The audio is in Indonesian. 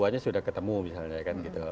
satu dua nya sudah ketemu misalnya kan gitu